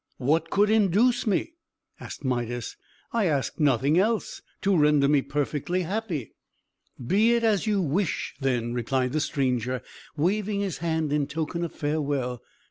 "What could induce me?" asked Midas. "I ask nothing else, to render me perfectly happy." "Be it as you wish, then," replied the stranger, waving his hand in token of farewell.